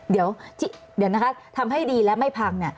เดี๋ยวนะคะทำให้ดีและไม่พัง